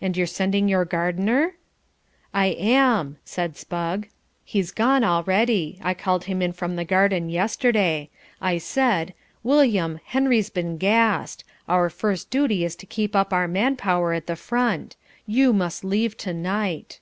"And you're sending your gardener?" "I am," said Spugg. "He's gone already. I called him in from the garden yesterday. I said, 'William, Henry's been gassed. Our first duty is to keep up our man power at the front. You must leave to night.'"